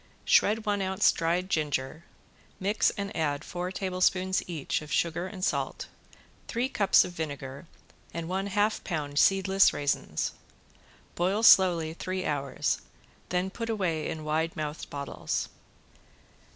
Shred one ounce dried ginger, mix and add four tablespoons each of sugar and salt, three cups of vinegar and one half pound seedless raisins. Boil slowly three hours, then put away in wide mouthed bottles.